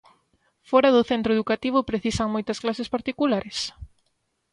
Fóra do centro educativo precisan moitas clases particulares?